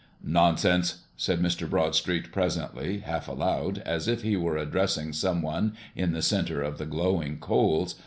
"Nonsense!" said Mr. Broadstreet presently, half aloud, as if he were addressing some one in the center of the glowing coals.